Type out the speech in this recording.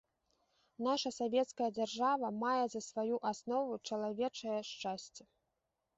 Наша савецкая дзяржава мае за сваю аснову чалавечае шчасце.